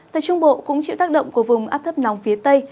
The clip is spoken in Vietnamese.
tại trung bộ cũng chịu tác động của vùng áp thấp nóng phía tây